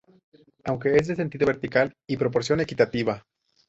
Aunque es de sentido vertical y proporción equitativa.